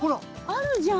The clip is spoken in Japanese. あるじゃん。